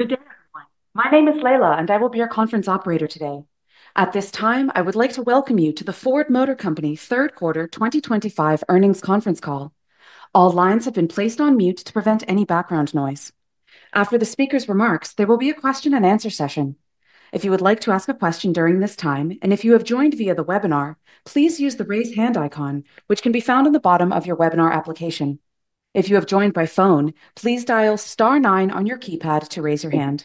Good afternoon. My name is Leila, and I will be your conference operator today. At this time, I would like to welcome you to the Ford Motor Company third quarter 2025 earnings conference call. All lines have been placed on mute to prevent any background noise. After the speaker's remarks, there will be a question and answer session. If you would like to ask a question during this time, and if you have joined via the webinar, please use the raise hand icon, which can be found on the bottom of your webinar application. If you have joined by phone, please dial star nine on your keypad to raise your hand.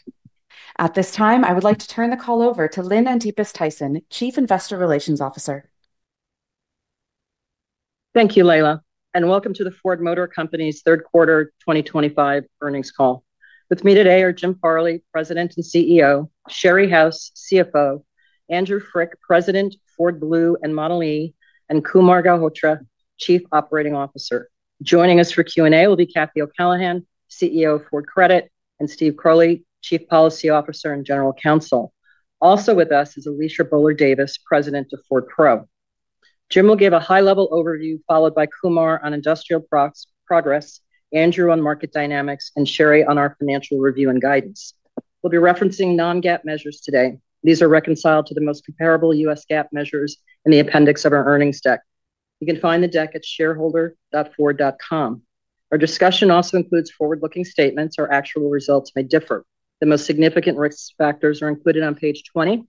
At this time, I would like to turn the call over to Lynn Antipas Tyson, Chief Investor Relations Officer. Thank you, Leila, and welcome to the Ford Motor Company's third quarter 2025 earnings call. With me today are Jim Farley, President and CEO, Sherry House, CFO, Andrew Frick, President, Ford Blue and Model e, and Kumar Galhotra, Chief Operating Officer. Joining us for Q&A will be Cathy O’Callaghan, CEO of Ford Credit, and Steve Crowley, Chief Policy Officer and General Counsel. Also with us is Alicia Boler Davis, President of Ford Pro. Jim will give a high-level overview, followed by Kumar on industrial progress, Andrew on market dynamics, and Sherry on our financial review and guidance. We’ll be referencing non-GAAP measures today. These are reconciled to the most comparable U.S. GAAP measures in the appendix of our earnings deck. You can find the deck at shareholder.ford.com. Our discussion also includes forward-looking statements; our actual results may differ. The most significant risk factors are included on page 20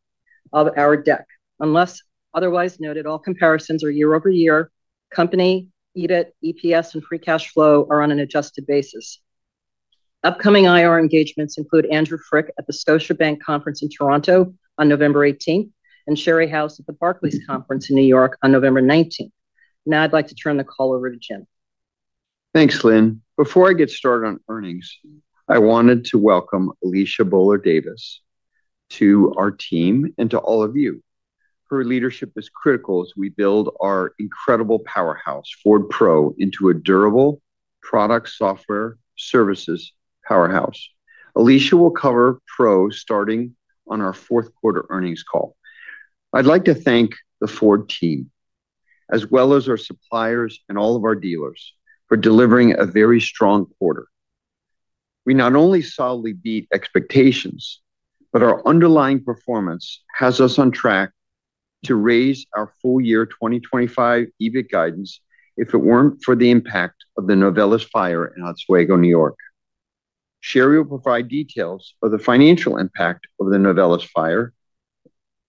of our deck. Unless otherwise noted, all comparisons are year-over-year. Company, EBIT, EPS, and free cash flow are on an adjusted basis. Upcoming IR engagements include Andrew Frick at the Scotiabank Conference in Toronto on November 18th, and Sherry House at the Barclays Conference in New York on November 19th. Now I’d like to turn the call over to Jim. Thanks, Lynn. Before I get started on earnings, I wanted to welcome Alicia Boler Davis to our team and to all of you. Her leadership is critical as we build our incredible powerhouse, Ford Pro, into a durable product-software-services powerhouse. Alicia will cover Pro, starting on our fourth quarter earnings call. I'd like to thank the Ford team, as well as our suppliers and all of our dealers, for delivering a very strong quarter. We not only solidly beat expectations, but our underlying performance has us on track to raise our full-year 2025 EBIT guidance if it weren't for the impact of the Novelis fire in Oswego, New York. Sherry will provide details of the financial impact of the Novelis fire,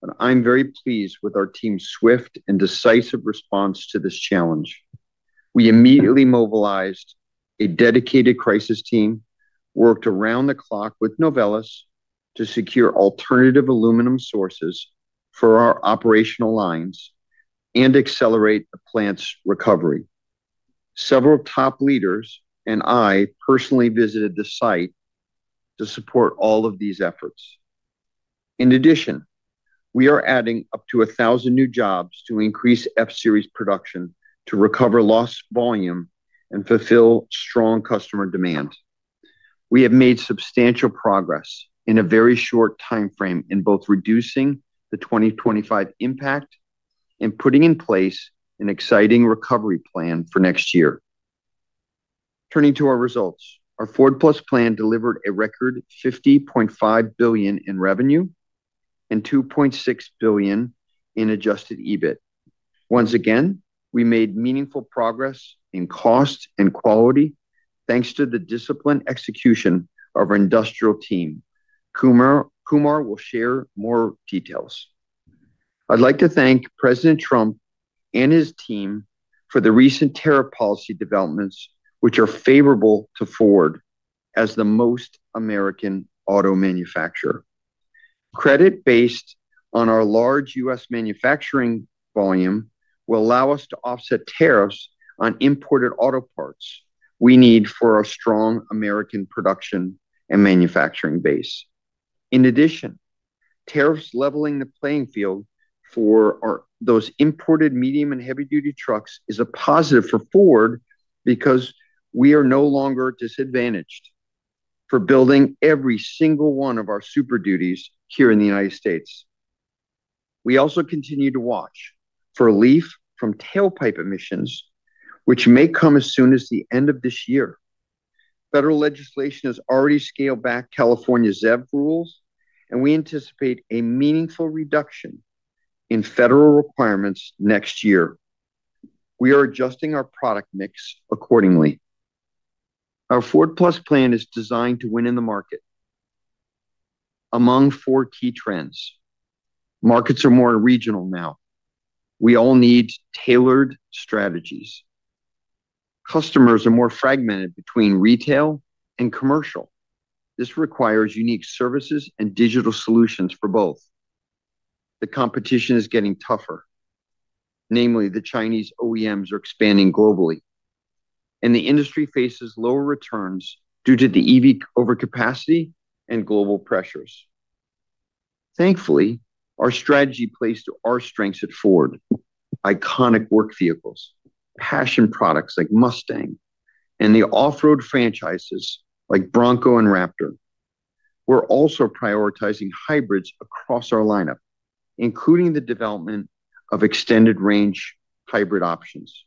but I'm very pleased with our team's swift and decisive response to this challenge. We immediately mobilized a dedicated crisis team, worked around the clock with Novelis to secure alternative aluminum sources for our operational lines and accelerate the plant's recovery. Several top leaders and I personally visited the site to support all of these efforts. In addition, we are adding up to 1,000 new jobs to increase F-Series production to recover lost volume and fulfill strong customer demand. We have made substantial progress in a very short timeframe in both reducing the 2025 impact and putting in place an exciting recovery plan for next year. Turning to our results, our Ford+ plan delivered a record $50.5 billion in revenue and $2.6 billion in adjusted EBIT. Once again, we made meaningful progress in cost and quality, thanks to the disciplined execution of our industrial team. Kumar will share more details. I'd like to thank President Trump and his team for the recent tariff policy developments, which are favorable to Ford as the most American auto manufacturer. Credit, based on our large U.S. manufacturing volume, will allow us to offset tariffs on imported auto parts we need for our strong American production and manufacturing base. In addition, tariffs leveling the playing field for those imported medium and heavy-duty trucks is a positive for Ford because we are no longer disadvantaged for building every single one of our Super Duty here in the United States. We also continue to watch for relief from tailpipe emissions, which may come as soon as the end of this year. Federal legislation has already scaled back California's ZEV rules, and we anticipate a meaningful reduction in federal requirements next year. We are adjusting our product mix accordingly. Our Ford+ plan is designed to win in the market. Among four key trends, markets are more regional now. We all need tailored strategies. Customers are more fragmented between retail and commercial. This requires unique services and digital solutions for both. The competition is getting tougher. Namely, the Chinese OEMs are expanding globally, and the industry faces lower returns due to the EV overcapacity and global pressures. Thankfully, our strategy plays to our strengths at Ford: iconic work vehicles, passion products like Mustang, and the off-road franchises like Bronco and Raptor. We're also prioritizing hybrids across our lineup, including the development of extended-range hybrid options.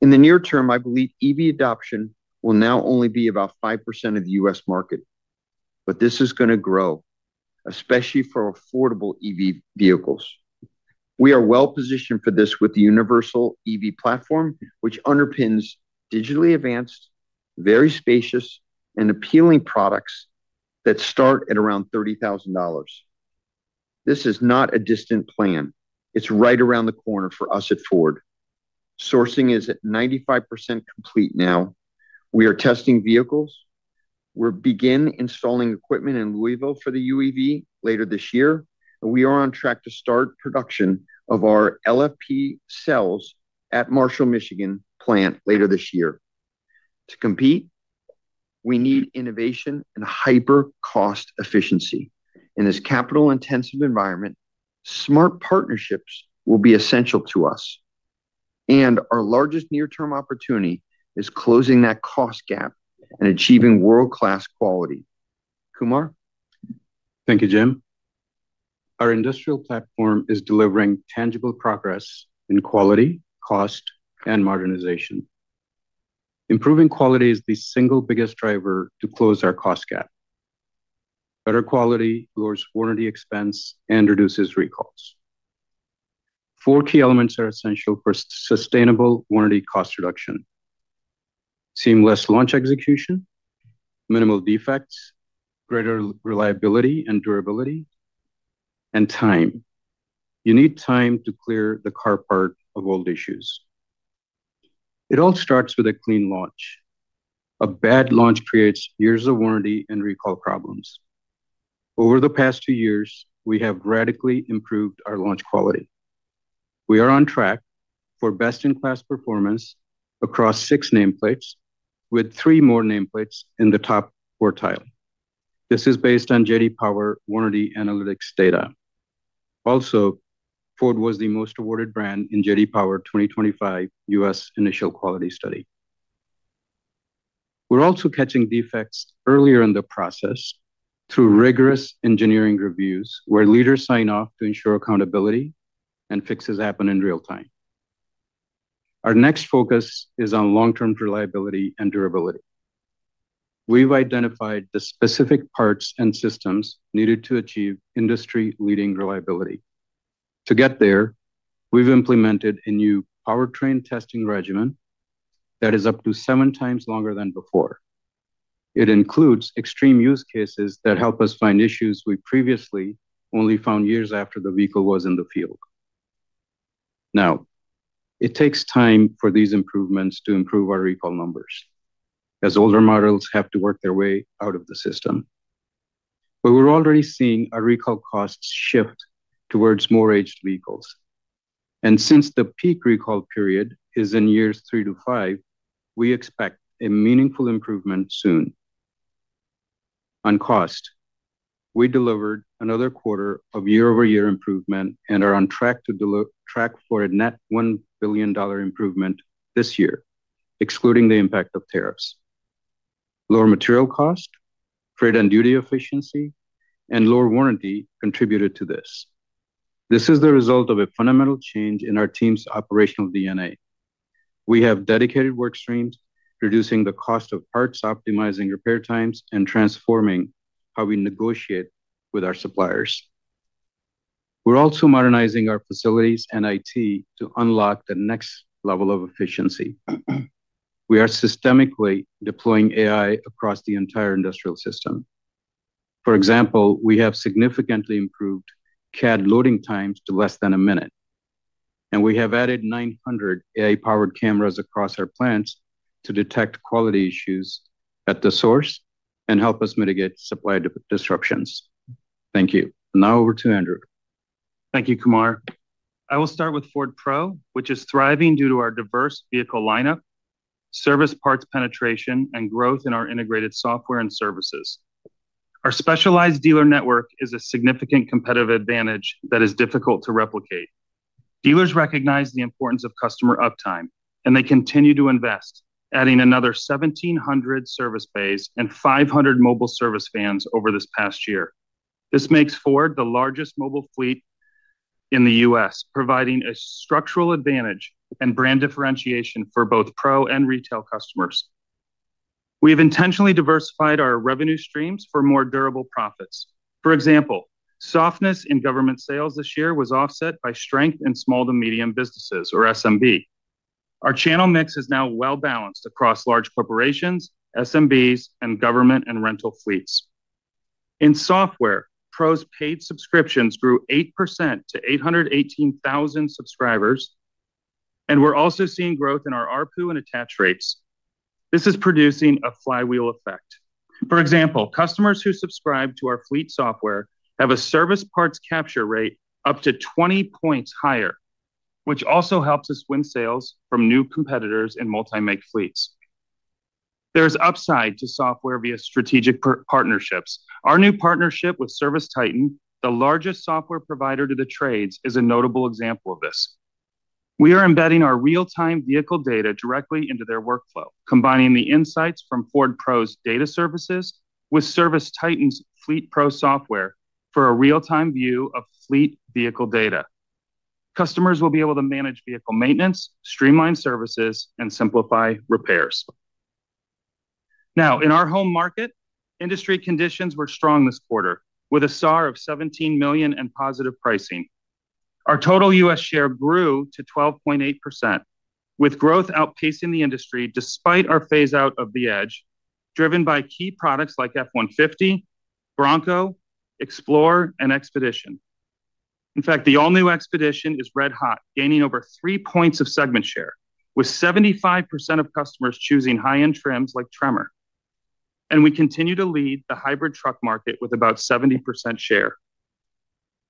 In the near term, I believe EV adoption will now only be about 5% of the U.S. market, but this is going to grow, especially for affordable EV vehicles. We are well positioned for this with the universal EV platform, which underpins digitally advanced, very spacious, and appealing products that start at around $30,000. This is not a distant plan. It's right around the corner for us at Ford. Sourcing is at 95% complete now. We are testing vehicles. We'll begin installing equipment in Louisville for the EV later this year, and we are on track to start production of our LFP cells at the Marshall, Michigan plant later this year. To compete, we need innovation and hyper-cost efficiency. In this capital-intensive environment, smart partnerships will be essential to us. Our largest near-term opportunity is closing that cost gap and achieving world-class quality. Kumar? Thank you, Jim. Our industrial platform is delivering tangible progress in quality, cost, and modernization. Improving quality is the single biggest driver to close our cost gap. Better quality lowers warranty expense and reduces recalls. Four key elements are essential for sustainable warranty cost reduction: seamless launch execution, minimal defects, greater reliability and durability, and time. You need time to clear the car part of old issues. It all starts with a clean launch. A bad launch creates years of warranty and recall problems. Over the past two years, we have radically improved our launch quality. We are on track for best-in-class performance across six nameplates, with three more nameplates in the top quartile. This is based on J.D. Power warranty analytics data. Also, Ford was the most awarded brand in J.D. Power 2025 U.S. initial quality study. We're also catching defects earlier in the process through rigorous engineering reviews, where leaders sign off to ensure accountability and fixes happen in real time. Our next focus is on long-term reliability and durability. We've identified the specific parts and systems needed to achieve industry-leading reliability. To get there, we've implemented a new powertrain testing regimen that is up to 7x longer than before. It includes extreme use cases that help us find issues we previously only found years after the vehicle was in the field. It takes time for these improvements to improve our recall numbers, as older models have to work their way out of the system. We're already seeing our recall costs shift towards more aged vehicles. Since the peak recall period is in years three to five, we expect a meaningful improvement soon. On cost, we delivered another quarter of year-over-year improvement and are on track for a net $1 billion improvement this year, excluding the impact of tariffs. Lower material cost, freight and duty efficiency, and lower warranty contributed to this. This is the result of a fundamental change in our team's operational DNA. We have dedicated work streams, reducing the cost of parts, optimizing repair times, and transforming how we negotiate with our suppliers. We're also modernizing our facilities and IT to unlock the next level of efficiency. We are systemically deploying AI across the entire industrial system. For example, we have significantly improved CAD loading times to less than a minute. We have added 900 AI-powered cameras across our plants to detect quality issues at the source and help us mitigate supply disruptions. Thank you. Now over to Andrew. Thank you, Kumar. I will start with Ford Pro, which is thriving due to our diverse vehicle lineup, service parts penetration, and growth in our integrated software and services. Our specialized dealer network is a significant competitive advantage that is difficult to replicate. Dealers recognize the importance of customer uptime, and they continue to invest, adding another 1,700 service bays and 500 mobile service vans over this past year. This makes Ford the largest mobile fleet in the U.S., providing a structural advantage and brand differentiation for both Pro and Retail customers. We have intentionally diversified our revenue streams for more durable profits. For example, softness in government sales this year was offset by strength in small to medium businesses, or SMB. Our channel mix is now well balanced across large corporations, SMBs, and government and rental fleets. In software, Pro's paid subscriptions grew 8% to 818,000 subscribers, and we're also seeing growth in our ARPU and attach rates. This is producing a flywheel effect. For example, customers who subscribe to our fleet software have a service parts capture rate up to 20 points higher, which also helps us win sales from new competitors in multi-meg fleets. There is upside to software via strategic partnerships. Our new partnership with ServiceTitan, the largest software provider to the trades, is a notable example of this. We are embedding our real-time vehicle data directly into their workflow, combining the insights from Ford Pro's data services with ServiceTitan's Fleet Pro Software for a real-time view of fleet vehicle data. Customers will be able to manage vehicle maintenance, streamline services, and simplify repairs. Now, in our home market, industry conditions were strong this quarter, with a SAAR of 17 million and positive pricing. Our total U.S. share grew to 12.8%, with growth outpacing the industry despite our phase-out of the Edge, driven by key products like F-150, Bronco, Explorer, and Expedition. In fact, the all-new Expedition is red hot, gaining over three points of segment share, with 75% of customers choosing high-end trims like Tremor. We continue to lead the hybrid truck market with about 70% share.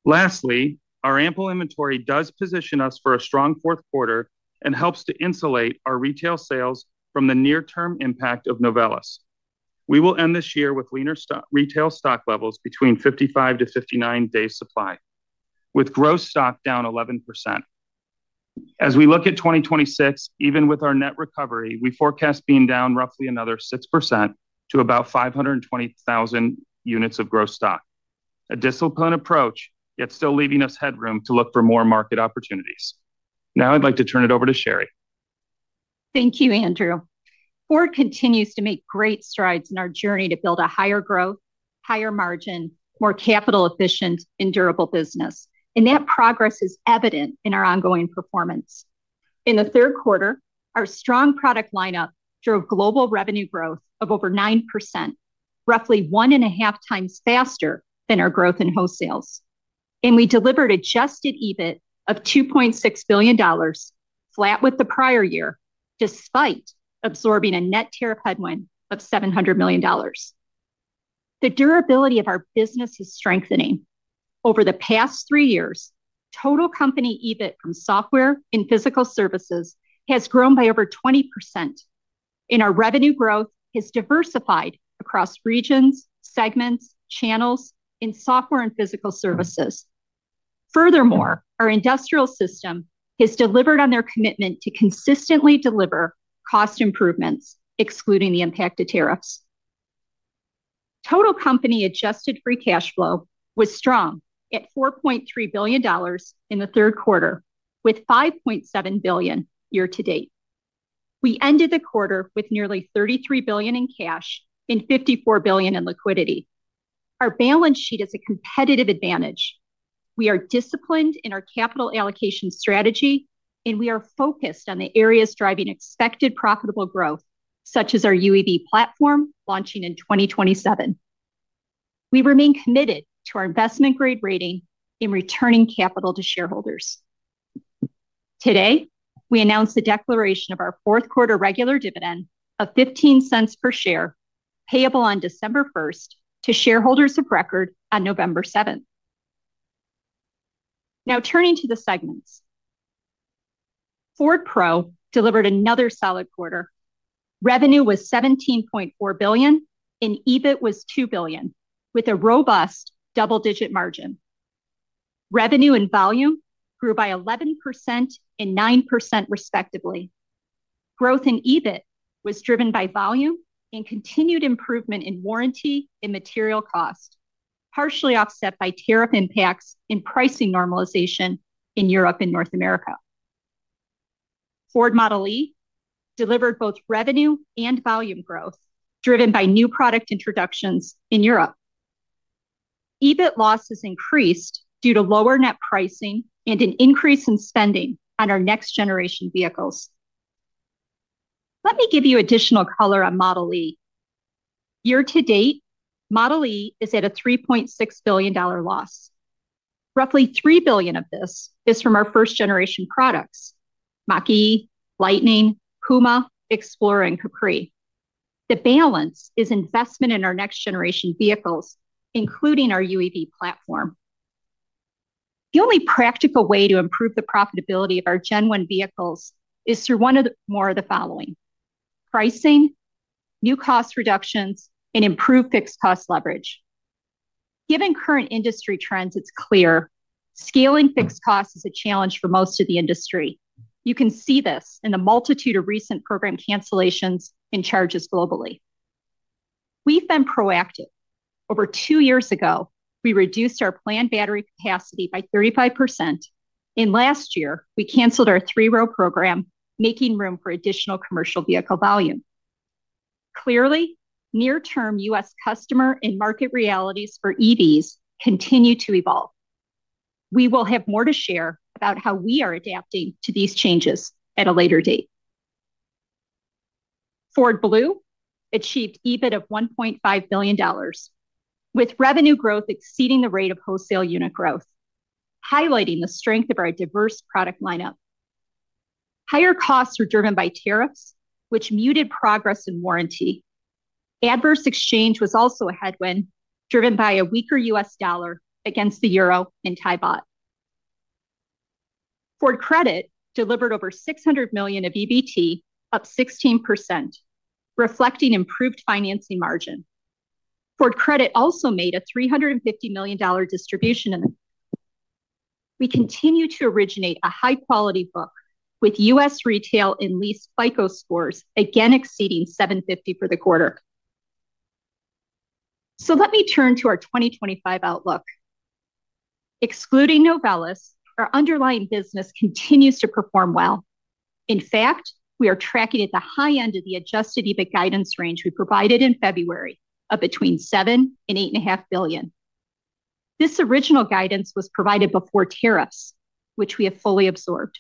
Lastly, our ample inventory does position us for a strong fourth quarter and helps to insulate our retail sales from the near-term impact of Novelis. We will end this year with leaner retail stock levels between 55 to 59 days supply, with gross stock down 11%. As we look at 2026, even with our net recovery, we forecast being down roughly another 6% to about 520,000 units of gross stock. A disciplined approach, yet still leaving us headroom to look for more market opportunities. Now I'd like to turn it over to Sherry. Thank you, Andrew. Ford continues to make great strides in our journey to build a higher growth, higher margin, more capital-efficient, and durable business. That progress is evident in our ongoing performance. In the third quarter, our strong product lineup drove global revenue growth of over 9%, roughly 1.5x faster than our growth in wholesales. We delivered adjusted EBIT of $2.6 billion, flat with the prior year, despite absorbing a net tariff headwind of $700 million. The durability of our business is strengthening. Over the past three years, total company EBIT from software and physical services has grown by over 20%, and our revenue growth has diversified across regions, segments, channels, and software and physical services. Furthermore, our industrial system has delivered on their commitment to consistently deliver cost improvements, excluding the impact of tariffs. Total company adjusted free cash flow was strong at $4.3 billion in the third quarter, with $5.7 billion year to date. We ended the quarter with nearly $33 billion in cash and $54 billion in liquidity. Our balance sheet is a competitive advantage. We are disciplined in our capital allocation strategy, and we are focused on the areas driving expected profitable growth, such as our next-generation EV platform launching in 2027. We remain committed to our investment-grade rating in returning capital to shareholders. Today, we announced the declaration of our fourth quarter regular dividend of $0.15 per share, payable on December 1st to shareholders of record on November 7th. Now, turning to the segments, Ford Pro delivered another solid quarter. Revenue was $17.4 billion, and EBIT was $2 billion, with a robust double-digit margin. Revenue and volume grew by 11% and 9% respectively. Growth in EBIT was driven by volume and continued improvement in warranty and material cost, partially offset by tariff impacts and pricing normalization in Europe and North America. Ford Model e delivered both revenue and volume growth, driven by new product introductions in Europe. EBIT losses increased due to lower net pricing and an increase in spending on our next-generation vehicles. Let me give you additional color on Model e. Year to date, Model e is at a $3.6 billion loss. Roughly $3 billion of this is from our first-generation products: Mach-E, Lightning, Puma, Explorer, and Capri. The balance is investment in our next-generation vehicles, including our next-generation EV platform. The only practical way to improve the profitability of our Gen 1 vehicles is through one or more of the following: pricing, new cost reductions, and improved fixed cost leverage. Given current industry trends, it's clear scaling fixed costs is a challenge for most of the industry. You can see this in the multitude of recent program cancellations and charges globally. We've been proactive. Over two years ago, we reduced our planned battery capacity by 35%, and last year, we canceled our three-row program, making room for additional commercial vehicle volume. Clearly, near-term U.S. customer and market realities for EVs continue to evolve. We will have more to share about how we are adapting to these changes at a later date. Ford Blue achieved EBIT of $1.5 billion, with revenue growth exceeding the rate of wholesale unit growth, highlighting the strength of our diverse product lineup. Higher costs are driven by tariffs, which muted progress in warranty. Adverse exchange was also a headwind, driven by a weaker U.S. dollar against the euro and Thai baht. Ford Credit delivered over $600 million of EBT, up 16%, reflecting improved financing margin. Ford Credit also made a $350 million distribution in the quarter. We continue to originate a high-quality book, with U.S. retail and lease FICO scores again exceeding 750 for the quarter. Let me turn to our 2025 outlook. Excluding Novelis, our underlying business continues to perform well. In fact, we are tracking at the high end of the adjusted EBIT guidance range we provided in February, of between $7 billion and $8.5 billion. This original guidance was provided before tariffs, which we have fully absorbed.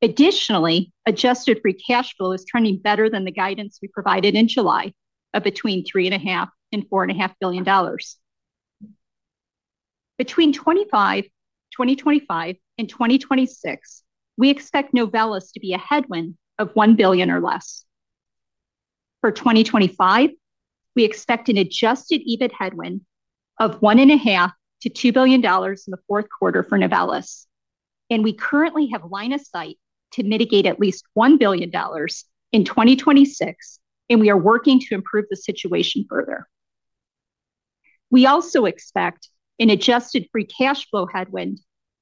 Additionally, adjusted free cash flow is turning better than the guidance we provided in July, of between $3.5 billion and $4.5 billion. Between 2025 and 2026, we expect Novelis to be a headwind of $1 billion or less. For 2025, we expect an adjusted EBIT headwind of $1.5 billion-$2 billion in the fourth quarter for Novelis, and we currently have line of sight to mitigate at least $1 billion in 2026, and we are working to improve the situation further. We also expect an adjusted free cash flow headwind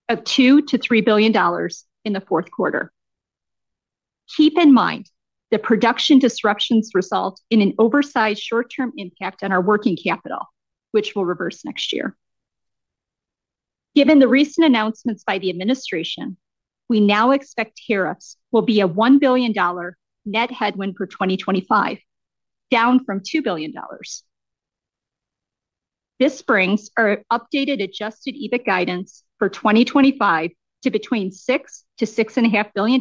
of $2 billion-$3 billion in the fourth quarter. Keep in mind that production disruptions result in an oversized short-term impact on our working capital, which will reverse next year. Given the recent announcements by the administration, we now expect tariffs will be a $1 billion net headwind for 2025, down from $2 billion. This brings our updated adjusted EBIT guidance for 2025 to between $6 billion-$6.5 billion,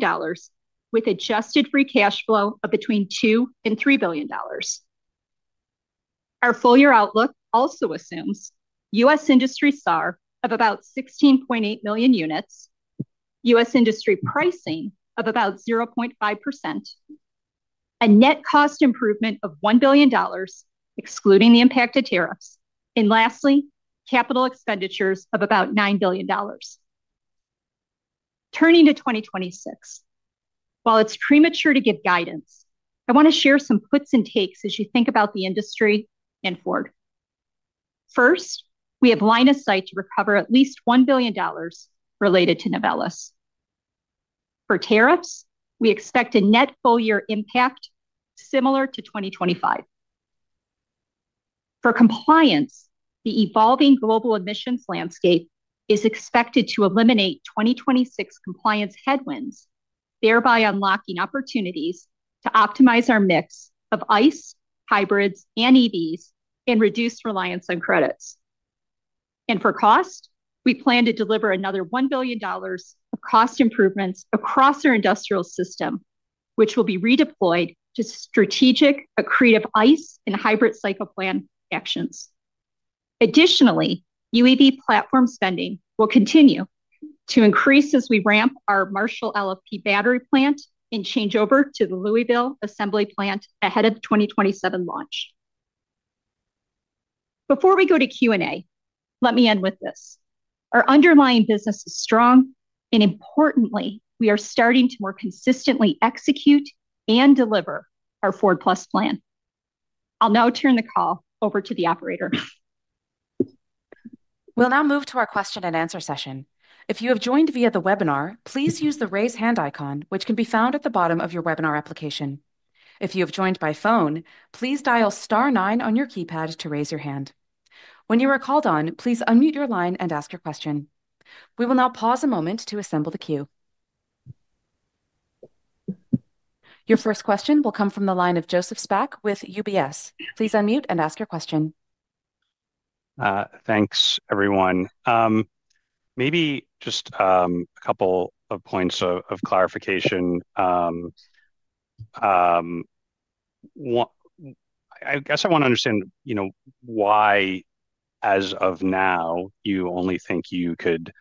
with adjusted free cash flow of between $2 billion-$3 billion. Our full-year outlook also assumes U.S. industry SAAR of about 16.8 million units, U.S. industry pricing of about 0.5%, a net cost improvement of $1 billion, excluding the impact of tariffs, and lastly, capital expenditures of about $9 billion. Turning to 2026, while it's premature to give guidance, I want to share some puts and takes as you think about the industry and Ford. First, we have line of sight to recover at least $1 billion related to Novelis. For tariffs, we expect a net full-year impact similar to 2025. For compliance, the evolving global emissions landscape is expected to eliminate 2026 compliance headwinds, thereby unlocking opportunities to optimize our mix of ICE, hybrids, and EVs and reduce reliance on credits. For cost, we plan to deliver another $1 billion of cost improvements across our industrial system, which will be redeployed to strategic accretive ICE and hybrid cycle plan actions. Additionally, EV platform spending will continue to increase as we ramp our Marshall LFP battery plant and change over to the Louisville assembly plant ahead of the 2027 launch. Before we go to Q&A, let me end with this. Our underlying business is strong, and importantly, we are starting to more consistently execute and deliver our Ford+ plan. I'll now turn the call over to the operator. will now move to our question-and-answer session. If you have joined via the webinar, please use the raise hand icon, which can be found at the bottom of your webinar application. If you have joined by phone, please dial star nine on your keypad to raise your hand. When you are called on, please unmute your line and ask your question. We will now pause a moment to assemble the queue. Your first question will come from the line of Joseph Spak with UBS. Please unmute and ask your question. Thanks, everyone. Maybe just a couple of points of clarification. I guess I want to understand why, as of now, you only think you could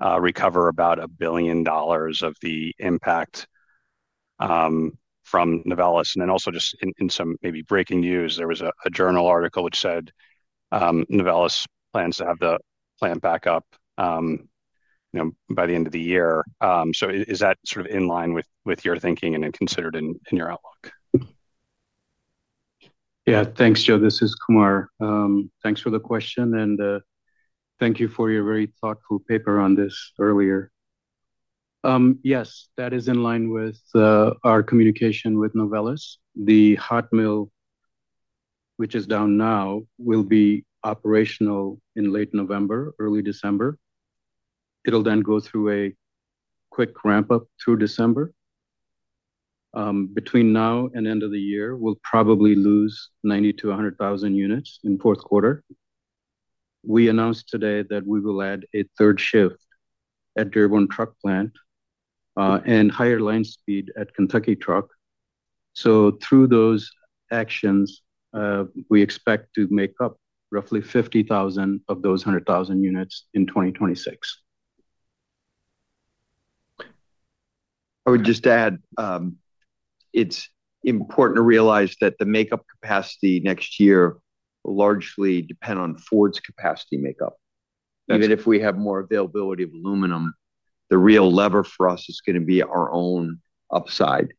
recover about $1 billion of the impact from Novelis. Also, just in some maybe breaking news, there was a journal article which said Novelis plans to have the plant back up by the end of the year. Is that sort of in line with your thinking and considered in your outlook? Yeah, thanks, Joe. This is Kumar. Thanks for the question, and thank you for your very thoughtful paper on this earlier. Yes, that is in line with our communication with Novelis. The hot mill, which is down now, will be operational in late November, early December. It'll then go through a quick ramp-up through December. Between now and the end of the year, we'll probably lose 90,000-100,000 units in the fourth quarter. We announced today that we will add a third shift at Dearborn Truck Plant and higher line speed at Kentucky Truck. Through those actions, we expect to make up roughly 50,000 of those 100,000 units in 2026. I would just add, it's important to realize that the makeup capacity next year will largely depend on Ford's capacity makeup. Even if we have more availability of aluminum, the real lever for us is going to be our own upside.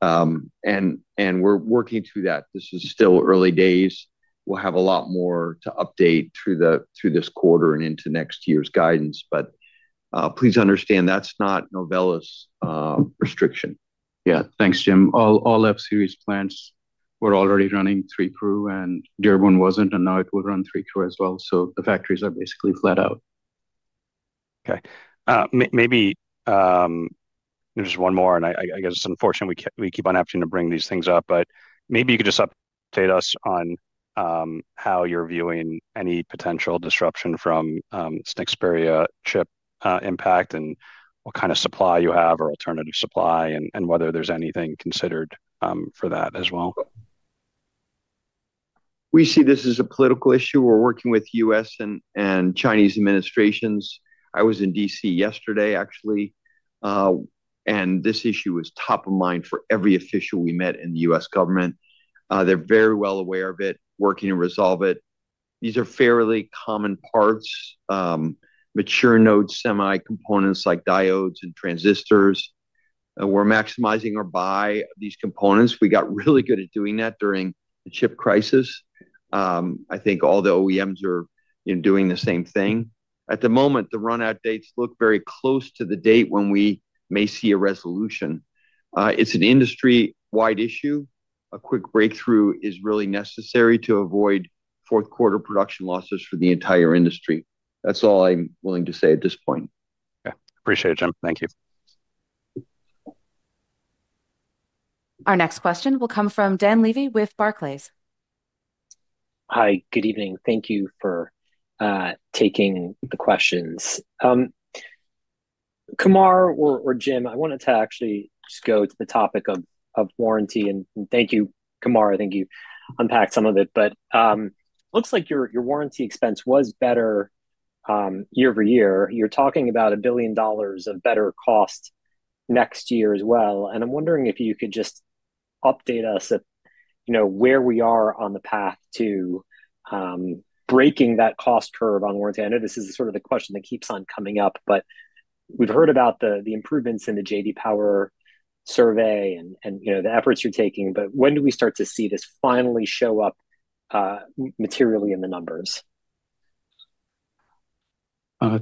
We're working through that. This is still early days. We'll have a lot more to update through this quarter and into next year's guidance. Please understand that's not Novelis' restriction. Yeah, thanks, Jim. All F-Series plants were already running three crew, and Dearborn wasn't, and now it will run three crew as well. The factories are basically flat out. OK. Maybe there's just one more, and I guess it's unfortunate we keep on having to bring these things up. Maybe you could just update us on how you're viewing any potential disruption from [snakes barre] chip impact and what kind of supply you have or alternative supply, and whether there's anything considered for that as well. We see this as a political issue. We're working with U.S. and Chinese administrations. I was in D.C. yesterday, actually. This issue is top of mind for every official we met in the U.S. government. They're very well aware of it, working to resolve it. These are fairly common parts, mature nodes, semicomponents like diodes and transistors. We're maximizing our buy of these components. We got really good at doing that during the chip crisis. I think all the OEMs are doing the same thing. At the moment, the run-out dates look very close to the date when we may see a resolution. It's an industry-wide issue. A quick breakthrough is really necessary to avoid fourth quarter production losses for the entire industry. That's all I'm willing to say at this point. OK. Appreciate it, Jim. Thank you. Our next question will come from Dan Levy with Barclays. Hi. Good evening. Thank you for taking the questions. Kumar or Jim, I wanted to actually just go to the topic of warranty. Thank you, Kumar. I think you unpacked some of it. It looks like your warranty expense was better year over year. You're talking about $1 billion of better cost next year as well. I'm wondering if you could just update us where we are on the path to breaking that cost curve on warranty. I know this is sort of the question that keeps on coming up. We've heard about the improvements in the J.D. Power survey and the efforts you're taking. When do we start to see this finally show up materially in the numbers?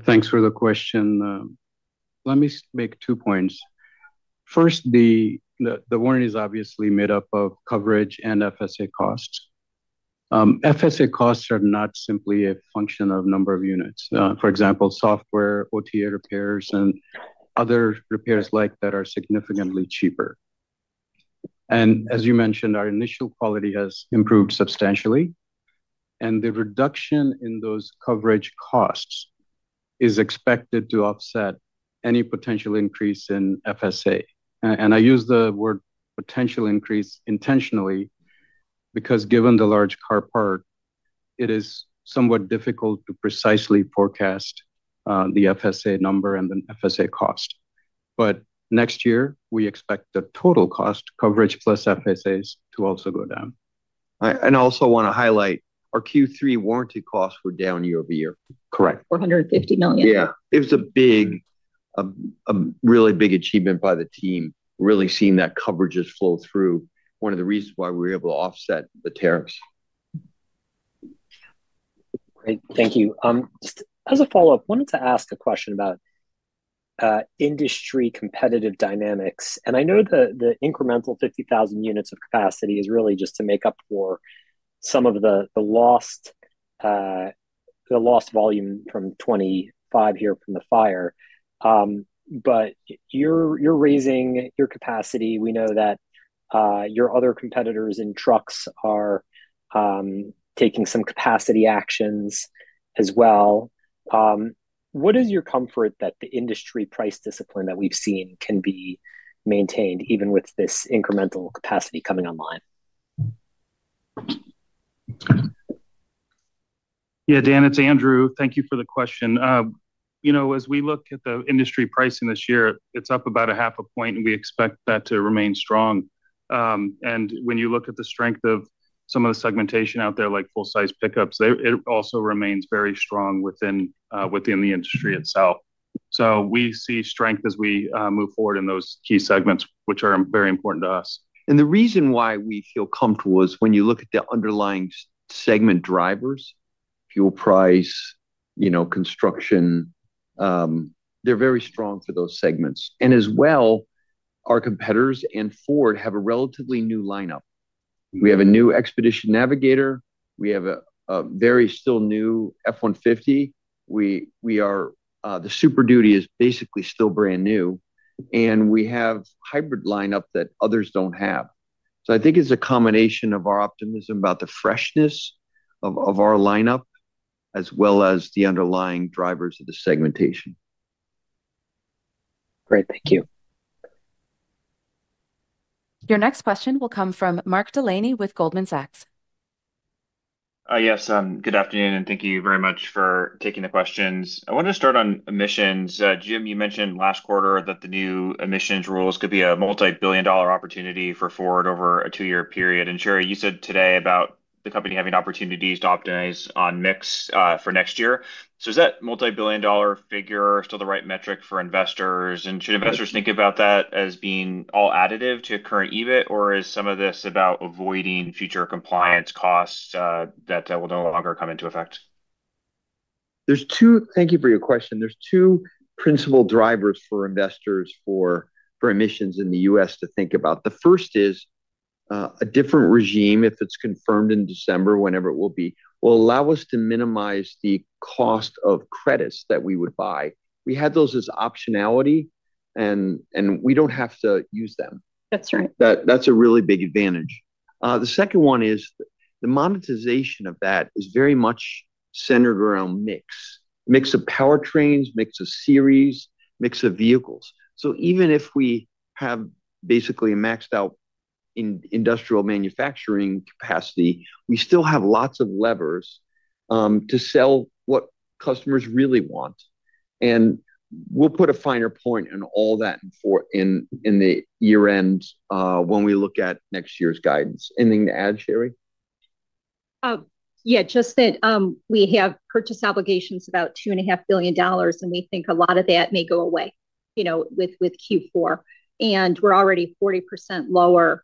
Thanks for the question. Let me make two points. First, the warranty is obviously made up of coverage and FSA costs. FSA costs are not simply a function of a number of units. For example, software, OTA repairs, and other repairs like that are significantly cheaper. As you mentioned, our initial quality has improved substantially. The reduction in those coverage costs is expected to offset any potential increase in FSA. I use the word potential increase intentionally because given the large car part, it is somewhat difficult to precisely forecast the FSA number and the FSA cost. Next year, we expect the total cost coverage plus FSA to also go down. I also want to highlight our Q3 warranty costs were down year over year. Correct. $450 million. Yeah, it was a big, really big achievement by the team, really seeing that coverage just flow through. One of the reasons why we were able to offset the tariffs. Great. Thank you. Just as a follow-up, I wanted to ask a question about industry competitive dynamics. I know the incremental 50,000 units of capacity is really just to make up for some of the lost volume from 2025 here from the fire. You're raising your capacity. We know that your other competitors in trucks are taking some capacity actions as well. What is your comfort that the industry price discipline that we've seen can be maintained even with this incremental capacity coming online? Yeah, Dan, it's Andrew. Thank you for the question. You know, as we look at the industry pricing this year, it's up about 0.5%, and we expect that to remain strong. When you look at the strength of some of the segmentation out there, like full-size pickups, it also remains very strong within the industry itself. We see strength as we move forward in those key segments, which are very important to us. The reason why we feel comfortable is when you look at the underlying segment drivers, fuel price, construction, they're very strong for those segments. As well, our competitors and Ford have a relatively new lineup. We have a new Expedition, Navigator, and a very still new F-150. The Super Duty is basically still brand new, and we have a hybrid lineup that others don't have. I think it's a combination of our optimism about the freshness of our lineup, as well as the underlying drivers of the segmentation. Great. Thank you. Your next question will come from Mark Delaney with Goldman Sachs. Yes. Good afternoon, and thank you very much for taking the questions. I wanted to start on emissions. Jim, you mentioned last quarter that the new emissions rules could be a multibillion-dollar opportunity for Ford over a two-year period. Sherry, you said today about the company having opportunities to optimize on mix for next year. Is that multibillion-dollar figure still the right metric for investors? Should investors think about that as being all additive to current EBIT, or is some of this about avoiding future compliance costs that will no longer come into effect? Thank you for your question. There are two principal drivers for investors for emissions in the U.S. to think about. The first is a different regime, if it's confirmed in December, whenever it will be, will allow us to minimize the cost of credits that we would buy. We had those as optionality, and we don't have to use them. That's right. That's a really big advantage. The second one is the monetization of that is very much centered around mix, mix of powertrains, mix of series, mix of vehicles. Even if we have basically maxed out industrial manufacturing capacity, we still have lots of levers to sell what customers really want. We'll put a finer point on all that in the year-end when we look at next year's guidance. Anything to add, Sherry? Yeah, just that we have purchase obligations of about $2.5 billion, and we think a lot of that may go away with Q4. We're already 40% lower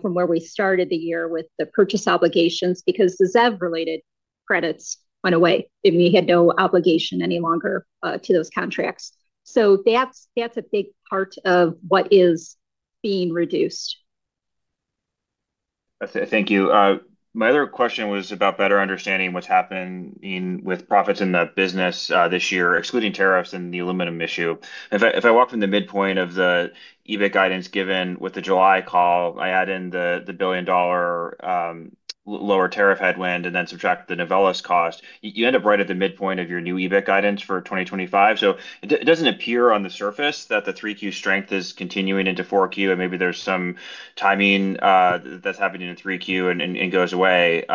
from where we started the year with the purchase obligations because the ZEV-related credits went away, and we had no obligation any longer to those contracts. That's a big part of what is being reduced. Thank you. My other question was about better understanding what's happening with profits in the business this year, excluding tariffs and the aluminum issue. If I walk from the midpoint of the EBIT guidance given with the July call, I add in the $1 billion lower tariff headwind and then subtract the Novelis cost, you end up right at the midpoint of your new EBIT guidance for 2025. It doesn't appear on the surface that the Q3 strength is continuing into Q4, and maybe there's some timing that's happening in Q3 and goes away.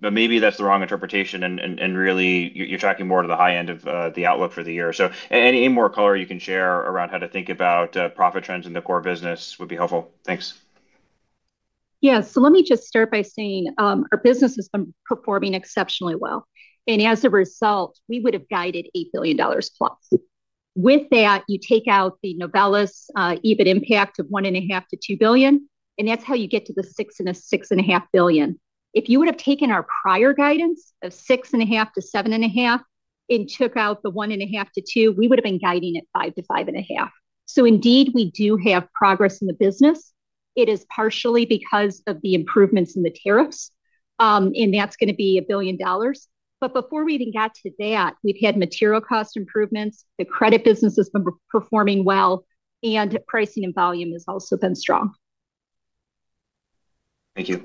Maybe that's the wrong interpretation, and really, you're tracking more to the high end of the outlook for the year. Any more color you can share around how to think about profit trends in the core business would be helpful. Thanks. Yeah, let me just start by saying our business has been performing exceptionally well. As a result, we would have guided $8 billion+. With that, you take out the Novelis EBIT impact of $1.5 billion-$2 billion, and that's how you get to the $6 billion-$6.5 billion. If you would have taken our prior guidance of $6.5 billion-$7.5 billion and took out the $1.5 billion-$2 billion, we would have been guiding at $5 billion-$5.5 billion. Indeed, we do have progress in the business. It is partially because of the improvements in the tariffs, and that's going to be $1 billion. Before we even got to that, we've had material cost improvements, the credit business has been performing well, and pricing and volume has also been strong. Thank you.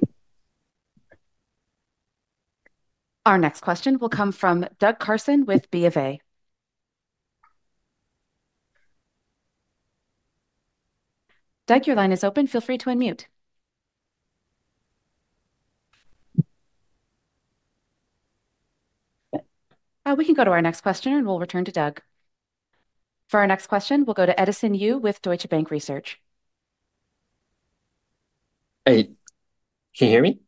Our next question will come from Doug Carson with BofA. Doug, your line is open. Feel free to unmute. We can go to our next question, and we'll return to Doug. For our next question, we'll go to Edison Yu with Deutsche Bank Research. Hey, can you hear me?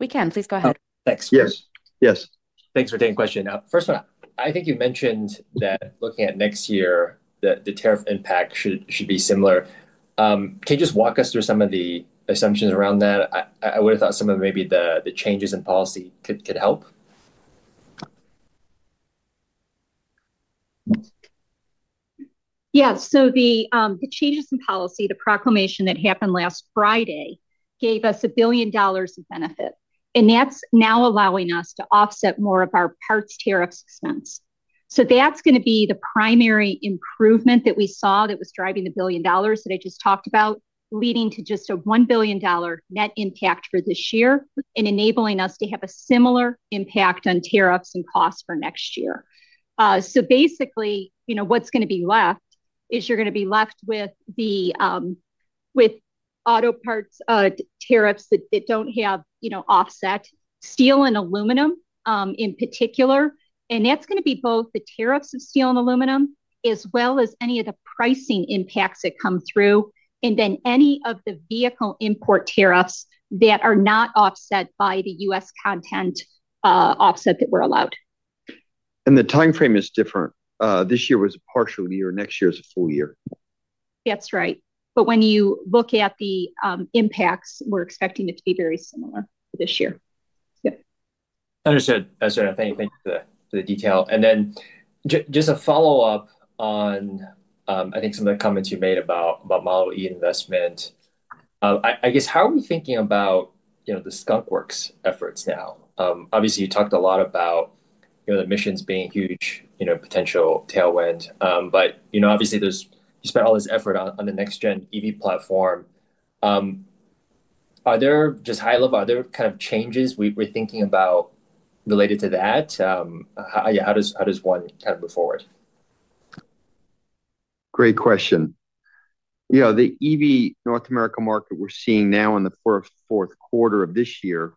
We can. Please go ahead. OK, thanks. Yes. Yes. Thanks for taking the question. First one, I think you mentioned that looking at next year, the tariff impact should be similar. Can you just walk us through some of the assumptions around that? I would have thought some of maybe the changes in policy could help. Yeah, the changes in policy, the proclamation that happened last Friday, gave us $1 billion of benefit. That's now allowing us to offset more of our parts tariffs expense. That's going to be the primary improvement that we saw driving the $1 billion that I just talked about, leading to just a $1 billion net impact for this year and enabling us to have a similar impact on tariffs and costs for next year. Basically, what's going to be left is you're going to be left with auto parts tariffs that don't have offset, steel and aluminum in particular. That's going to be both the tariffs of steel and aluminum, as well as any of the pricing impacts that come through, and then any of the vehicle import tariffs that are not offset by the U.S. content offset that we're allowed. The time frame is different. This year was a partial year. Next year is a full year. That's right. When you look at the impacts, we're expecting it to be very similar for this year. Understood. Thanks for the detail. Just a follow-up on, I think, some of the comments you made about Model e investment. I guess, how are we thinking about the Skunkworks efforts now? Obviously, you talked a lot about the missions being a huge potential tailwind. Obviously, you spent all this effort on the next-gen EV platform. Are there, just high-level, are there kind of changes we're thinking about related to that? How does one kind of move forward? Great question. You know, the EV North America market we're seeing now in the fourth quarter of this year,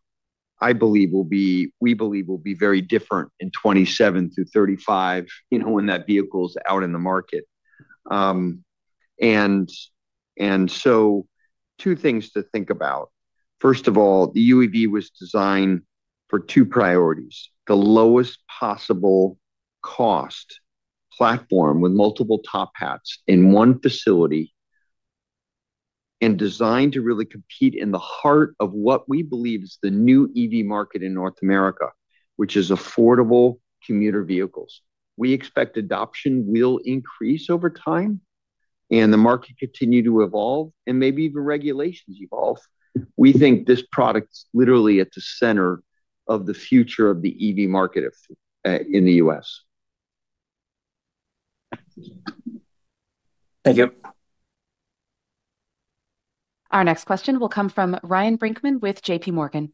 I believe will be, we believe will be very different in 2027 through 2035 when that vehicle is out in the market. Two things to think about. First of all, the EV platform was designed for two priorities: the lowest possible cost platform with multiple top hats in one facility, and designed to really compete in the heart of what we believe is the new EV market in North America, which is affordable commuter vehicles. We expect adoption will increase over time, and the market will continue to evolve, and maybe even regulations evolve. We think this product is literally at the center of the future of the EV market in the U.S. Thank you. Our next question will come from Ryan Brinkman with JPMorgan.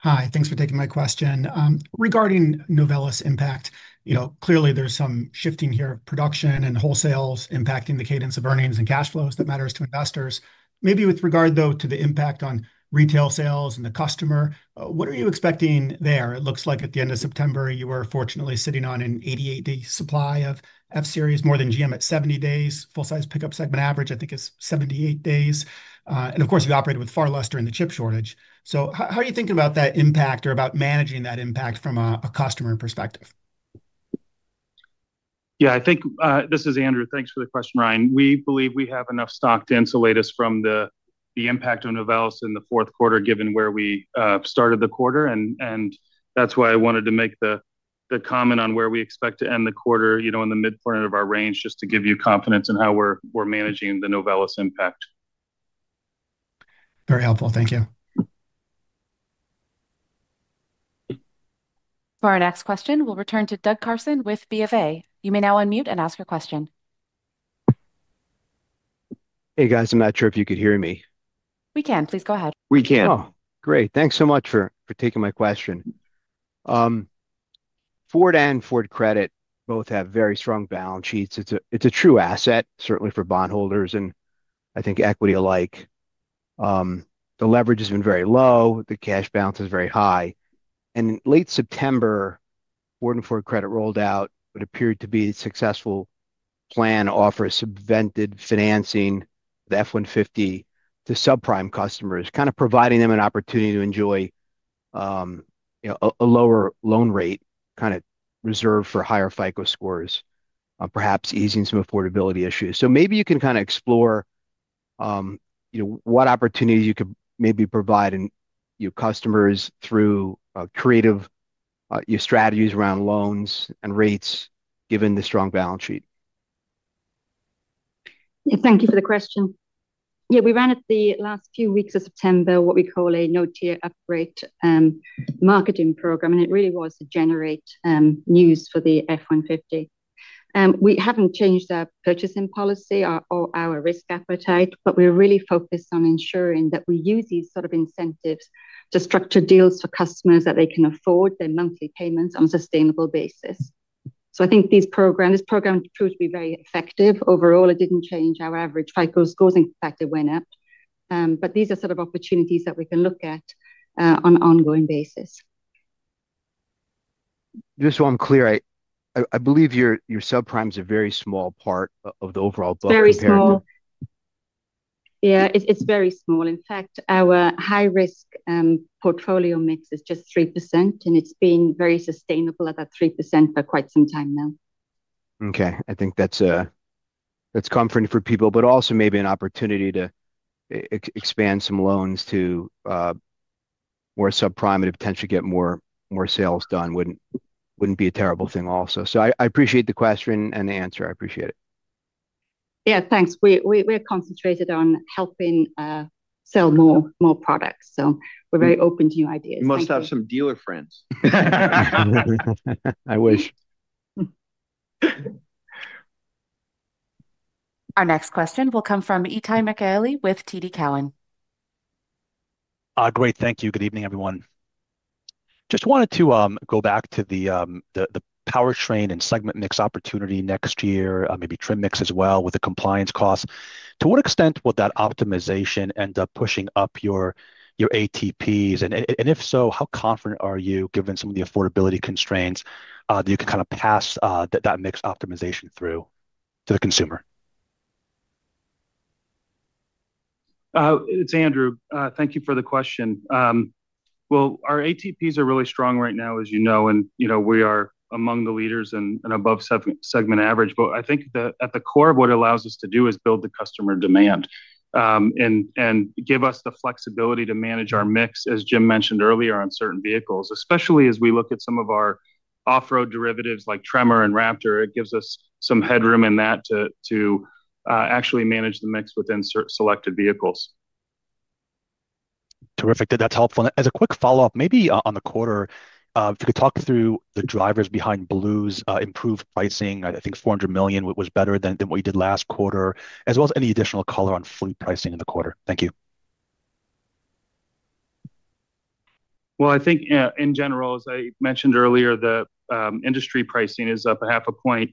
Hi. Thanks for taking my question. Regarding Novelis' impact, clearly, there's some shifting here of production and wholesales impacting the cadence of earnings and cash flows that matters to investors. Maybe with regard, though, to the impact on retail sales and the customer, what are you expecting there? It looks like at the end of September, you were fortunately sitting on an 88-day supply of F-Series, more than GM at 70 days. Full-size pickup segment average, I think, is 78 days. Of course, you operated with far less during the chip shortage. How are you thinking about that impact or about managing that impact from a customer perspective? Yeah, I think this is Andrew. Thanks for the question, Ryan. We believe we have enough stock to insulate us from the impact on Novelis in the fourth quarter, given where we started the quarter. That is why I wanted to make the comment on where we expect to end the quarter in the midpoint of our range, just to give you confidence in how we're managing the Novelis impact. Very helpful. Thank you. For our next question, we'll return to Doug Carson with BofA. You may now unmute and ask your question. I'm not sure if you could hear me. We can. Please go ahead. Great, thanks so much for taking my question. Ford and Ford Credit both have very strong balance sheets. It's a true asset, certainly for bondholders and, I think, equity alike. The leverage has been very low. The cash balance is very high. In late September, Ford and Ford Credit rolled out what appeared to be a successful plan to offer a subvented financing of the F-150 to subprime customers, providing them an opportunity to enjoy a lower loan rate, kind of reserved for higher FICO scores, perhaps easing some affordability issues. Maybe you can explore what opportunities you could provide customers through creative strategies around loans and rates, given the strong balance sheet. Thank you for the question. We ran at the last few weeks of September what we call a no-tier upgrade marketing program, and it really was to generate news for the F-150. We haven't changed our purchasing policy or our risk appetite, but we're really focused on ensuring that we use these sort of incentives to structure deals for customers that they can afford their monthly payments on a sustainable basis. I think this program proved to be very effective. Overall, it didn't change our average FICO scores. In fact, it went up. These are sort of opportunities that we can look at on an ongoing basis. Just so I'm clear, I believe your subprimes are a very small part of the overall budget. Very small. Yeah, it's very small. In fact, our high-risk portfolio mix is just 3%, and it's been very sustainable at that 3% for quite some time now. I think that's comforting for people, but also maybe an opportunity to expand some loans to more subprime and to potentially get more sales done, wouldn't be a terrible thing also. I appreciate the question and the answer. I appreciate it. Yeah, thanks. We're concentrated on helping sell more products. We're very open to new ideas. You must have some dealer friends. I wish. Our next question will come from Itay Michaeli with TD Cowen. Great, thank you. Good evening, everyone. Just wanted to go back to the powertrain and segment mix opportunity next year, maybe trim mix as well, with the compliance costs. To what extent will that optimization end up pushing up your ATPs? If so, how confident are you, given some of the affordability constraints, that you can kind of pass that mix optimization through to the consumer? It's Andrew. Thank you for the question. Our ATPs are really strong right now, as you know, and we are among the leaders and above segment average. I think at the core of what it allows us to do is build the customer demand and give us the flexibility to manage our mix, as Jim mentioned earlier, on certain vehicles, especially as we look at some of our off-road derivatives like Tremor and Raptor. It gives us some headroom in that to actually manage the mix within selected vehicles. Terrific. That's helpful. As a quick follow-up, maybe on the quarter, if you could talk through the drivers behind Blue's improved pricing. I think $400 million was better than what you did last quarter, as well as any additional color on fleet pricing in the quarter. Thank you. I think in general, as I mentioned earlier, the industry pricing is up 0.5%.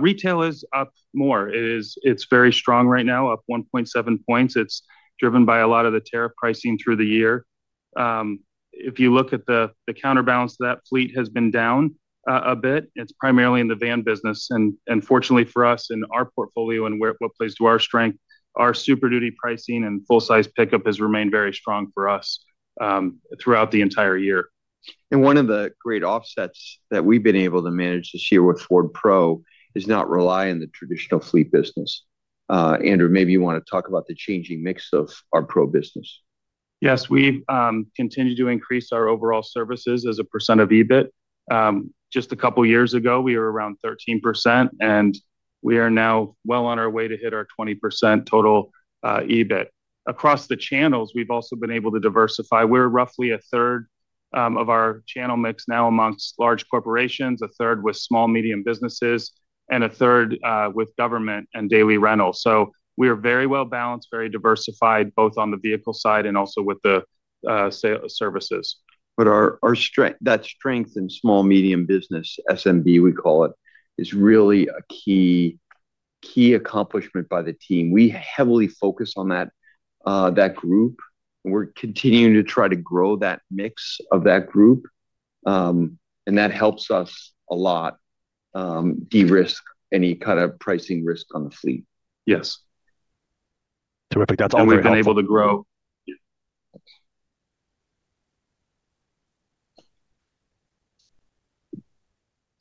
Retail is up more. It's very strong right now, up 1.7%. It's driven by a lot of the tariff pricing through the year. If you look at the counterbalance, that fleet has been down a bit. It's primarily in the van business. Fortunately for us in our portfolio and what plays to our strength, our Super Duty pricing and full-size pickup has remained very strong for us throughout the entire year. One of the great offsets that we've been able to manage this year with Ford Pro is not relying on the traditional fleet business. Andrew, maybe you want to talk about the changing mix of our Pro business. Yes, we've continued to increase our overall services as a percentage of EBIT. Just a couple of years ago, we were around 13%, and we are now well on our way to hit our 20% total EBIT. Across the channels, we've also been able to diversify. We're roughly a third of our channel mix now amongst large corporations, a third with small-medium businesses, and a third with government and daily rentals. We are very well balanced, very diversified, both on the vehicle side and also with the services. That strength in small-medium business, SMB, we call it, is really a key accomplishment by the team. We heavily focus on that group. We're continuing to try to grow that mix of that group, and that helps us a lot de-risk any kind of pricing risk on the fleet. Yes. Terrific. That's all. We have been able to grow.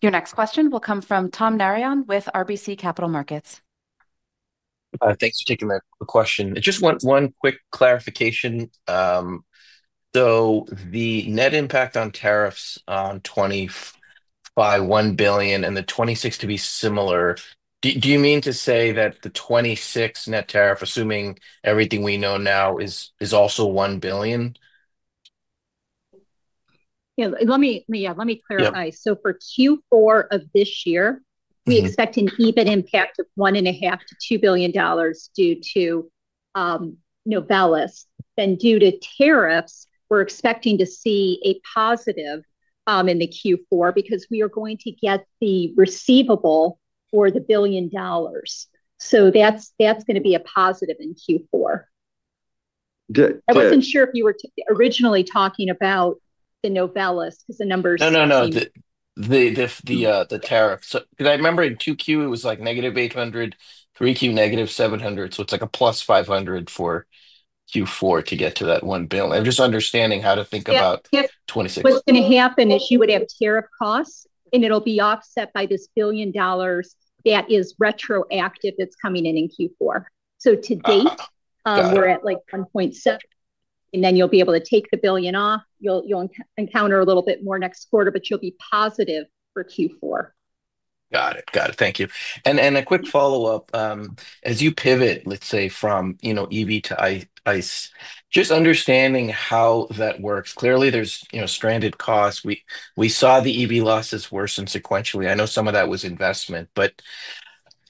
Your next question will come from Tom Narayan with RBC Capital Markets. Thanks for taking the question. Just one quick clarification. The net impact on tariffs on 2025 is $1 billion and 2026 to be similar. Do you mean to say that the 2026 net tariff, assuming everything we know now, is also $1 billion? Yeah, let me clarify. For Q4 of this year, we expect an EBIT impact of $1.5 billion-$2 billion due to Novelis. Due to tariffs, we're expecting to see a positive in Q4 because we are going to get the receivable for the $1 billion. That's going to be a positive in Q4. I wasn't sure if you were originally talking about the Novelis because of the numbers. No, no, no. The tariffs. I remember in Q2, it was like -$800 million, Q3 -$700 million. It's like a +$500 million for Q4 to get to that $1 billion. I'm just understanding how to think about 2026. What is going to happen is you would have tariff costs, and it'll be offset by this $1 billion that is retroactive that's coming in in Q4. To date, we're at like $1.7 billion, and then you'll be able to take the $1 billion off. You'll encounter a little bit more next quarter, but you'll be positive for Q4. Got it. Thank you. A quick follow-up. As you pivot, let's say, from EV to ICE, just understanding how that works. Clearly, there's stranded costs. We saw the EV losses worsen sequentially. I know some of that was investment.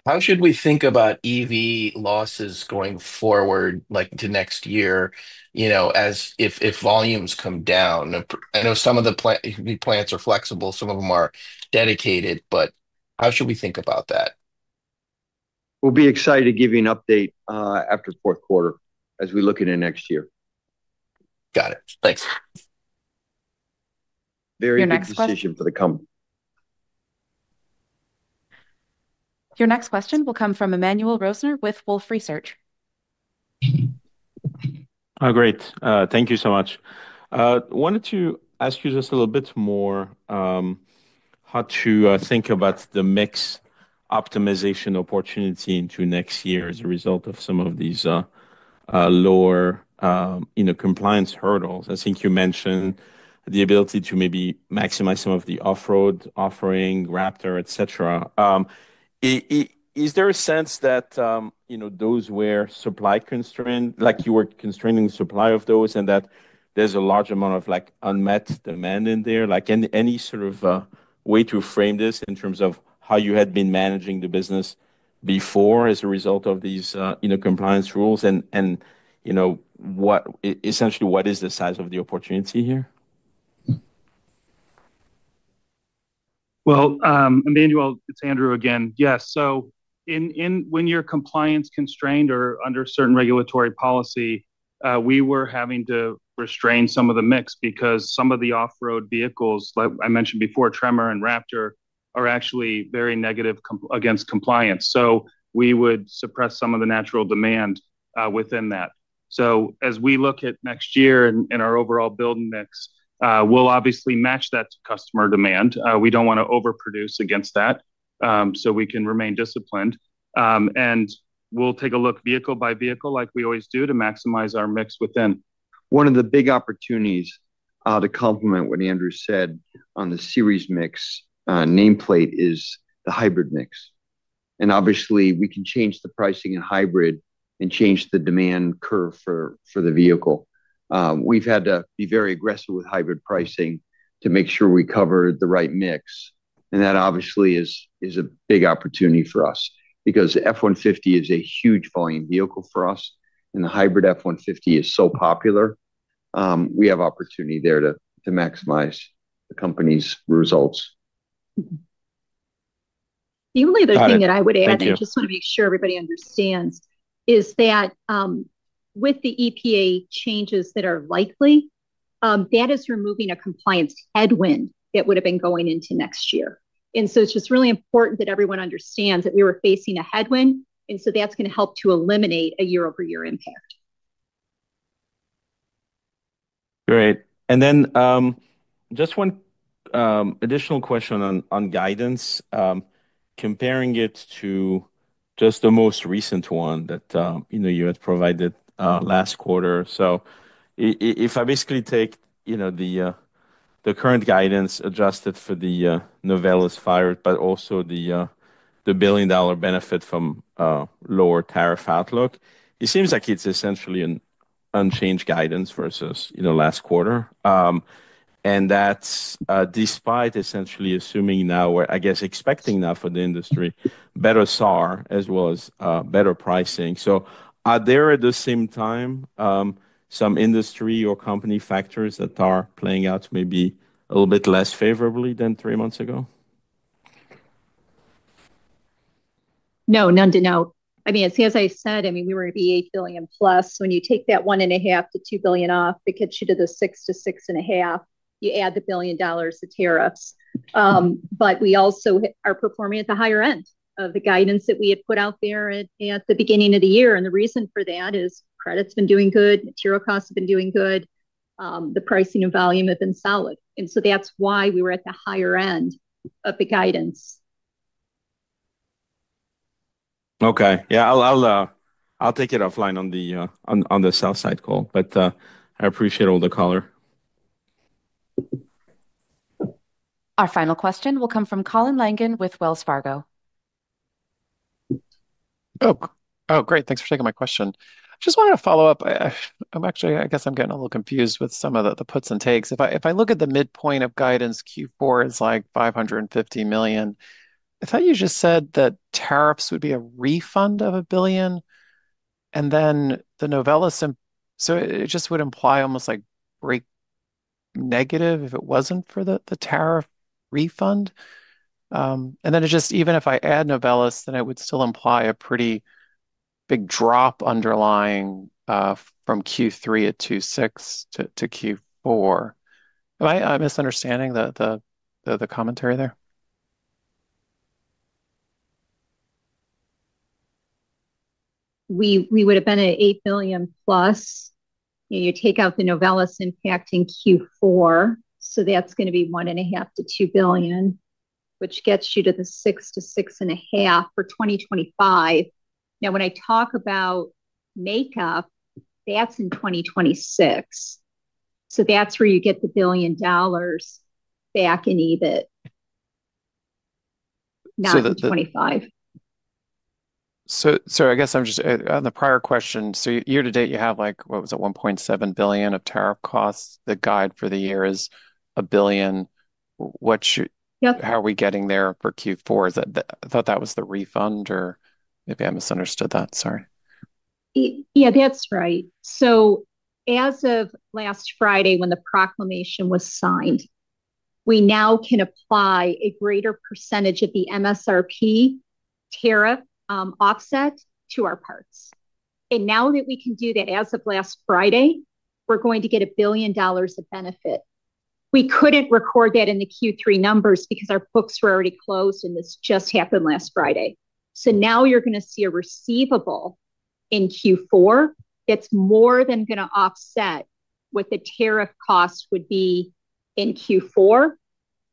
How should we think about EV losses going forward, like to next year, you know, if volumes come down? I know some of the plants are flexible. Some of them are dedicated. How should we think about that? We'll be excited to give you an update after the fourth quarter as we look into next year. Got it. Thanks. Your next question. Your decision for the company. Your next question will come from Emmanuel Rosner with Wolfe Research. Great. Thank you so much. I wanted to ask you just a little bit more how to think about the mix optimization opportunity into next year as a result of some of these lower compliance hurdles. I think you mentioned the ability to maybe maximize some of the off-road offering, Raptor, etc. Is there a sense that those were supply constrained, like you were constraining the supply of those, and that there's a large amount of unmet demand in there? Any sort of way to frame this in terms of how you had been managing the business before as a result of these compliance rules? Essentially, what is the size of the opportunity here? Emmanuel, it's Andrew again. Yes, when you're compliance constrained or under certain regulatory policy, we were having to restrain some of the mix because some of the off-road vehicles, like I mentioned before, Tremor and Raptor, are actually very negative against compliance. We would suppress some of the natural demand within that. As we look at next year and our overall building mix, we'll obviously match that to customer demand. We don't want to overproduce against that so we can remain disciplined. We'll take a look vehicle by vehicle, like we always do, to maximize our mix within. One of the big opportunities to complement what Andrew said on the series mix nameplate is the hybrid mix. Obviously, we can change the pricing in hybrid and change the demand curve for the vehicle. We've had to be very aggressive with hybrid pricing to make sure we cover the right mix. That obviously is a big opportunity for us because the F-150 is a huge volume vehicle for us, and the hybrid F-150 is so popular. We have opportunity there to maximize the company's results. The only other thing that I would add, I just want to make sure everybody understands, is that with the EPA changes that are likely, that is removing a compliance headwind that would have been going into next year. It is really important that everyone understands that we were facing a headwind, and that is going to help to eliminate a year-over-year impact. Great. Just one additional question on guidance, comparing it to the most recent one that you had provided last quarter. If I basically take the current guidance adjusted for the Novelis fire, but also the $1 billion benefit from lower tariff outlook, it seems like it's essentially an unchanged guidance versus last quarter. That's despite essentially assuming now, or I guess expecting now for the industry, better SAAR as well as better pricing. Are there at the same time some industry or company factors that are playing out maybe a little bit less favorably than three months ago? No, none to know. I mean, as I said, we were at $8 billion+. When you take that $1.5 billion-$2 billion off, it gets you to the $6 billion-$6.5 billion. You add the $1 billion to tariffs. We also are performing at the higher end of the guidance that we had put out there at the beginning of the year. The reason for that is credit's been doing good, material costs have been doing good, the pricing and volume have been solid. That's why we were at the higher end of the guidance. Okay, I'll take it offline on the sell-side call. I appreciate all the color. Our final question will come from Colin Langan with Wells Fargo. Oh, great. Thanks for taking my question. I just wanted to follow up. I'm actually, I guess I'm getting a little confused with some of the puts and takes. If I look at the midpoint of guidance, Q4 is like $550 million. I thought you just said that tariffs would be a refund of $1 billion. Then the Novelis, so it just would imply almost like break negative if it wasn't for the tariff refund. Even if I add Novelis, then it would still imply a pretty big drop underlying from Q3 at 02/06 to Q4. Am I misunderstanding the commentary there? We would have been at $8 billion+. You take out the Novelis impact in Q4, so that's going to be $1.5 billion-$2 billion, which gets you to the $6 billion-$6.5 billion for 2025. Now, when I talk about makeup, that's in 2026. That's where you get the $1 billion back in EBIT, not 2025. I'm just on the prior question. Year to date, you have, like, what was it, $1.7 billion of tariff costs. The guide for the year is $1 billion. How are we getting there for Q4? I thought that was the refund, or maybe I misunderstood that. Sorry. Yeah, that's right. As of last Friday, when the proclamation was signed, we now can apply a greater percentage of the MSRP tariff offset to our parts. Now that we can do that as of last Friday, we're going to get $1 billion of benefit. We couldn't record that in the Q3 numbers because our books were already closed, and this just happened last Friday. You're going to see a receivable in Q4 that's more than going to offset what the tariff cost would be in Q4.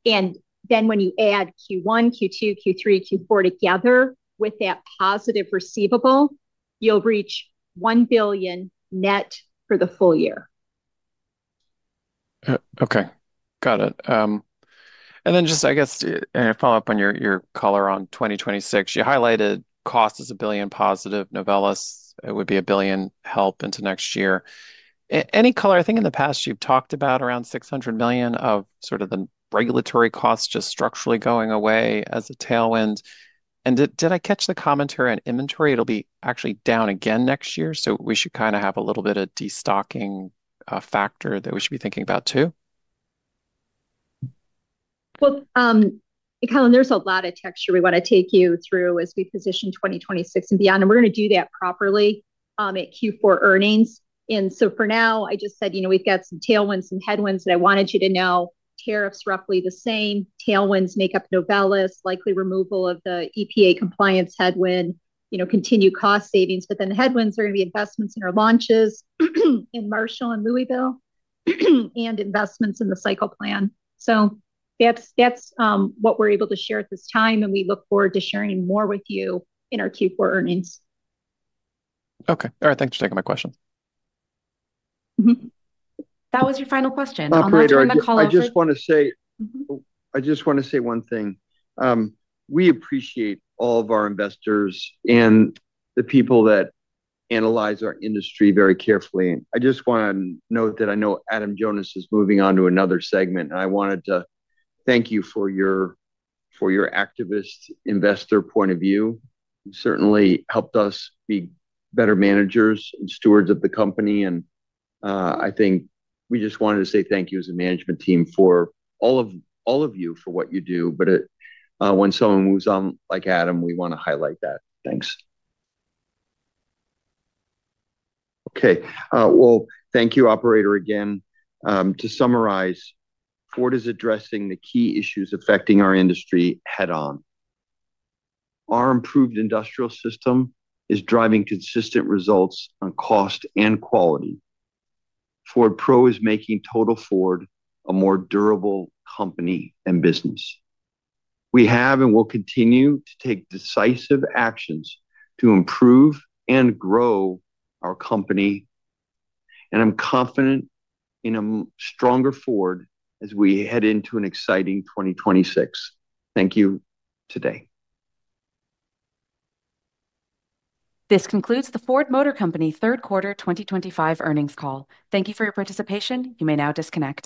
When you add Q1, Q2, Q3, and Q4 together with that positive receivable, you'll reach $1 billion net for the full year. Okay, got it. Just, I guess, a follow-up on your color on 2026. You highlighted cost as $1 billion+. Novelis would be $1 billion help into next year. Any color? I think in the past, you've talked about around $600 million of sort of the regulatory costs just structurally going away as a tailwind. Did I catch the commentary on inventory? It'll be actually down again next year. We should kind of have a little bit of a destocking factor that we should be thinking about too? Colin, there's a lot of texture we want to take you through as we position 2026 and beyond. We're going to do that properly at Q4 earnings. For now, I just said we've got some tailwinds and headwinds that I wanted you to know. Tariffs are roughly the same. Tailwinds make up Novelis, likely removal of the EPA compliance headwind, and continued cost savings. The headwinds are going to be investments in our launches in Marshall and Louisville and investments in the cycle plan. That's what we're able to share at this time. We look forward to sharing more with you in our Q4 earnings. All right, thanks for taking my question. That was your final question. I'll let Colin finish. I just want to say one thing. We appreciate all of our investors and the people that analyze our industry very carefully. I just want to note that I know Adam Jonas is moving on to another segment. I wanted to thank you for your activist investor point of view. You certainly helped us be better managers and stewards of the company. I think we just wanted to say thank you as a management team for all of you for what you do. When someone moves on like Adam, we want to highlight that. Thanks. Thank you, operator, again. To summarize, Ford is addressing the key issues affecting our industry head-on. Our improved industrial system is driving consistent results on cost and quality. Ford Pro is making Total Ford a more durable company and business. We have and will continue to take decisive actions to improve and grow our company. I'm confident in a stronger Ford as we head into an exciting 2026. Thank you today. This concludes the Ford Motor Company third quarter 2025 earnings call. Thank you for your participation. You may now disconnect.